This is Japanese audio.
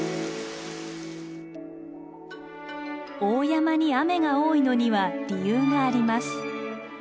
大山に雨が多いのには理由があります。